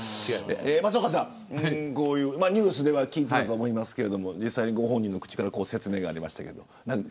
松岡さん、ニュースで聞いていたと思いますけど実際にご本人の口から説明ありましたけど。